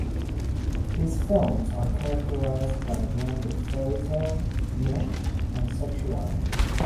His films are characterised by a blend of fairy-tale, myth and sexuality.